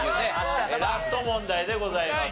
ラスト問題でございます。